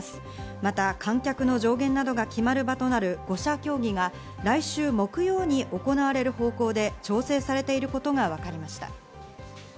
また観客の上限などが決まる場となる５者協議が来週木曜に行われる方向で調整されていることがわかりました。